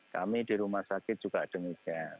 kami di rumah sakit juga demikian